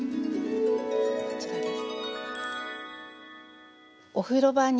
こちらです。